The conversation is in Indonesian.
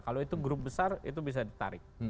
kalau itu grup besar itu bisa ditarik